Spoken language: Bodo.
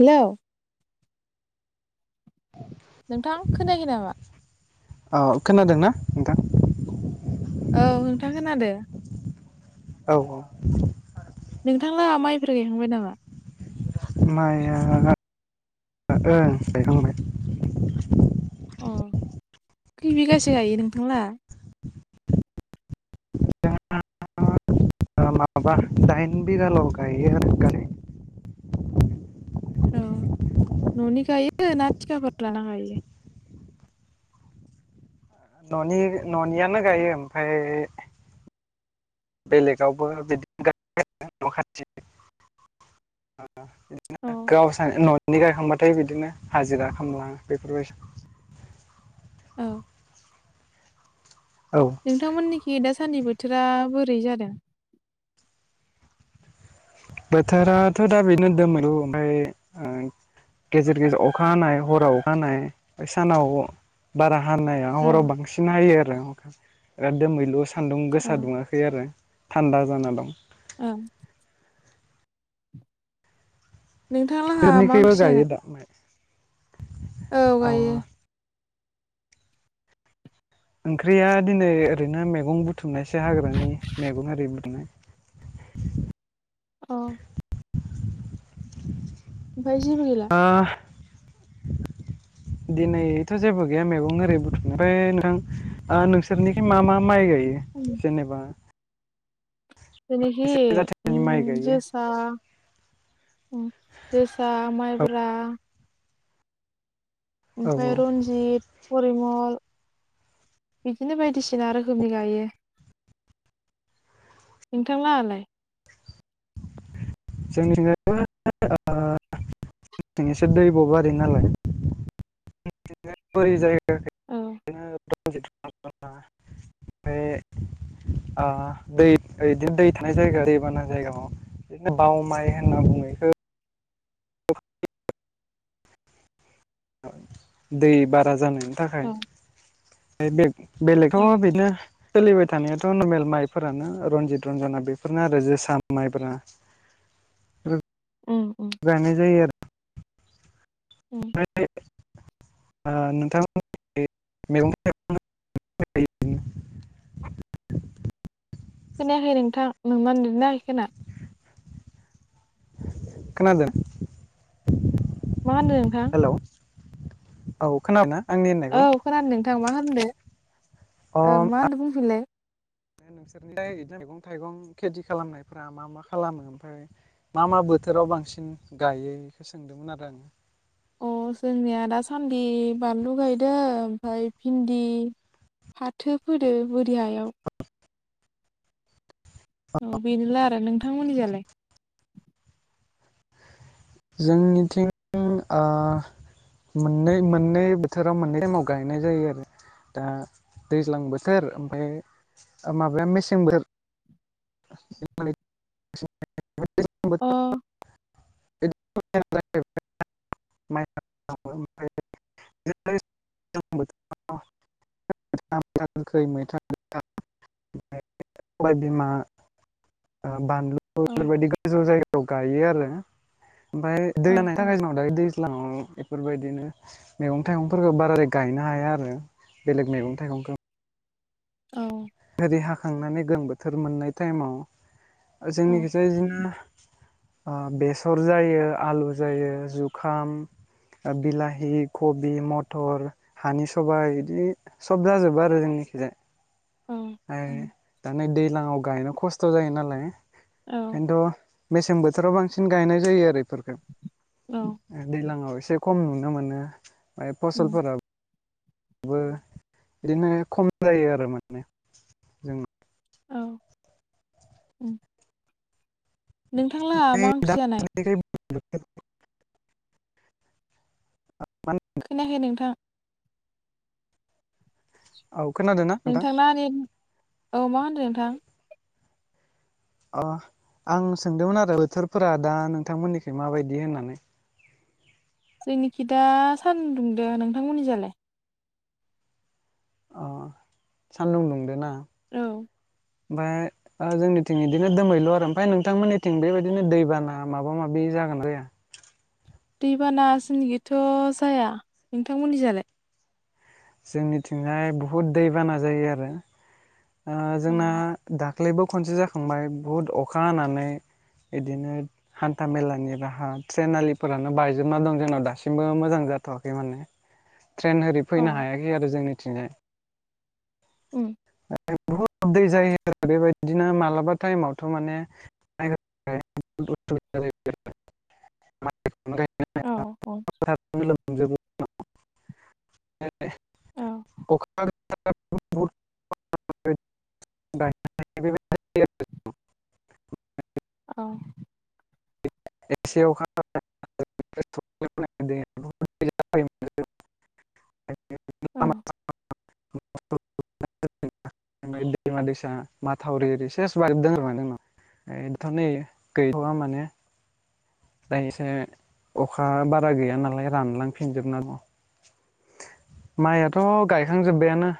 हेलौ [inaudible] नोंथां खोनायाखै नामा? औ खोनादोंना नोंथां? औ नोंथां खोनादों। औ औ। नोंथांलाहा माइफोर गायखांबाय नामा माया ओ गायखांबाय अ खै बिगासे गायो नोंथांलाहा माबा दाइन बिघाल गायो आरो गारि औ न'नि गायो ना थिखाफोर लाना गायो न'नि न'नियानो गायो ओमफ्राय बेलेगावबो बिदिनो खाथि [unintelligible] [unintelligible] औ गावस्रानि न'नि गायखांबा थाय बिदिनो हाजिरा खालामलाङो बेफोरबाय औ औ नोंथांमोननिखि दा सान्दि बोथोरा बोरै जादों बोथोराथ' दा बेनो दोमैलु ओमफ्राय ओ गेजेर गेजेर अखा हानाय हराव अखा हानाय सानाव बारा हानाया हराव औ बांसिन हायो आरो दोमैलु सान्दुं औ गोसा दुङाखै आरो थान्दा जाना दं ओं नोंथां लाहा मा ओंख्रि जानाय जाखांबाय औ गायो ओंख्रिया दिनै ओरैनो मैगं बुथुमनायसो हाग्रानि मैगं आरि बुथुमनाय अ ओमफाय जेबो गैला ओह [inaudible] दिनैथ' जेबो गैया मैगं ओरै बुथुम ओमफ्राय नोंथां नोंसोरनिखि मा मा माइ गायो? [inaudible] जेनेबा एसे जाथोनि माइ जेनाखि गायो जो जोसा माइब्रा औ ओमफ्राय रन्जित परिमल बिदिनो बायदिसिना रोखोमनि गायो। नोंथांलांआलाय [unintelligible] जोंनिथिं जों एसे दै बाव आरो नालाय [unintelligible] [unintelligible] ओ दै औ बिदिनो दै थानाय जायगा दैबाना जायगायाव बाव माइ होनना बुंनायखौ इखो दै बारा जानायनि थाखाय औ औ बेलेगथ बिदिनो सोलिबाय थानायाथ' नर्मेल माइफोरानो रन्जित रन्जना बेफोरनो आरो जोसा माइब्रा उम उम गायनाय जायो आरो। उम [unintelligible] खोनायाखै नोंथां नोंना नेत नाङाखै खोमा? खोनादों? मा होन्दों नोंथां। हेल' औ खोनादों ना? औ खोनादों नोंथां मा होनदो ओं मा होनदों बुंफिनलाय। नोंसोरनिलाय मैगं थाइगं खेथि खालामनायफोरा मा मा खालामो ओमफ्राय मा मा बोथोराव बांसिन गायो बेखौ सोंदोंमोन आरो आङो। अ जोंनिया दासान्दि बानलु गायदो ओमफ्राय भिन्दि फाथो फोदो बोरि हायाव औ बेनोल' आरो नोंथांमोननिजालाय जोंनिथिं ओ मोननै मोननै बोथोराव मोननै टाइमाव गायनाय जायो आरो दा दैज्लां बोथोर ओमफ्राय माबाया मेसें बोथोर [unintelligible] ओमफाय दैज्लां अ औ बोथोराव [unintelligible] माइ आबाद मावो ओमफाय [unintelligible] बोथोराव हाय [unintelligible] मैथा गोखै मैथा गोखा ओमफाय सबाय बिमा बानलु औ बेबायदि गोजौ जायगायाव गायो आरो ओमफ्राय दै लोमनानि औ थाखाय जोंनाव दायो दैज्लाङाव एफोरबायदिनो मैगं थाइगंफोरखौ बाराद्राय गायनो हाया आरो बेलेग मैगं थाइगंखौ औ ओरै हाखांनानै गोलोम बोथोर मोननाय टाइमाव औ जोंनिखिजाय इदिनो बेसर जायो आलु जायो जुखाम बिलाहि कबि मथर हानि सबाय बिदि सब जाजोबो आरो जोंनिखिजाय औ ओमफाय दैज्लाङाव गायनो खस्थ' जायो नालाय औ खिन्थु मेसें बोथोराव बांसिन गायनाय जायो आरो इफोरखौ औ दैलाङाव एसे खम नुनो मोनो ओमफाय उम फसलफोराव बो इदिनो खम जायो आरो माने जों औ नोंथांलाहा मा ओंख्रि जानाय [unintelligible] खोनाखै नोंथां औ खोनादोंना नोंथां नोंथांना नेथ औ मा होनदों नोंथां अ आं सोंदोंमोन आरो बोथोरफोरा दा नोंथांमोननिखै माबायदि होननानै जोंनिखि दा सान्दुं दुंदो नोंथांमोननि जालाय अ सान्दुं दुंदो ना औ ओमफ्राय जोंनिथिं बिदिनो दोमैलु आरो ओमफ्राय नोंथांमोननिथिं बेबायदिनो दैबाना माबा माबि जागोना जाया दैबाना जोंनिखैथ' जाया नोंथांमोननि जालाय जोंनिथिंहाय बहुद दैबाना जायो आरो औ जोंना दाख्लैबो खनसे जाखांबाय बुहुद अखा हानानै बिदिनो हान्था मेलानि राहा ट्रेन आलिफोरानो बायजोबना दं जोंनाव दासिमबो मोजां जाथ'आखै माने ट्रेन ओरै फैनो औ हायाखै आरो जोंनिथिंजाय [unintelligible] बुहुत दै जायो आरो बेबायदिनो मालाबा टाइमावथ' माने [unintelligible] गायनो औ औ हाया [unintelligible] लोमजोबो [unintelligible] अखा हादों [unintelligible] औ एसे अखा हाबाथाय औ ओमफ्राय दैमा दैसा माथावरि ओरै सेस बायजोबदों आरो माने जोंनाव नोंथां नै गैथ'वा माने दा एसे अखा बारा गैया नालाय रानलांफिनजोबना दं माइयाथ' गायखांजोब्बायानो